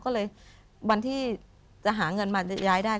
ก็เลยวันที่จะหาเงินมาย้ายได้